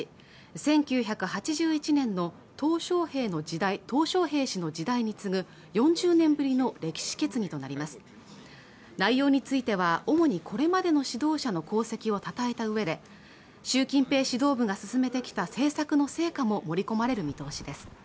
１９８１年のトウ小平の時代トウ小平氏の時代に次ぐ４０年ぶりの歴史決議となります内容については主にこれまでの指導者の功績をたたえたうえで習近平指導部が進めてきた政策の成果も盛り込まれる見通しです